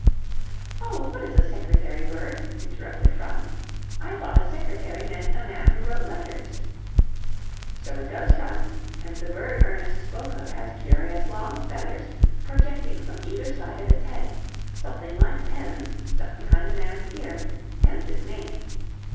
"Oh, what is a secretary bird?" interrupted Franz. "I thought a secretary meant a man who wrote letters." "So it does, Franz, and the bird Ernest spoke of has curious long feathers projecting from either side of its head, something like pens stuck behind a man's ear; hence its name.